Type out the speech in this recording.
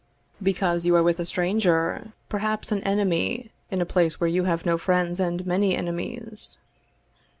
"Because you are with a stranger perhaps an enemy, in a place where you have no friends and many enemies."